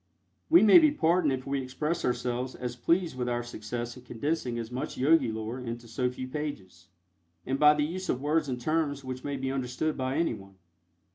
We may be pardoned if we express ourselves as pleased with our success in condensing so much Yogi lore into so few pages, and by the use of words and terms which may be understood by anyone.